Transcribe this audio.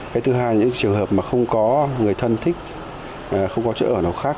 cái thứ hai những trường hợp mà không có người thân thích không có chỗ ở nào khác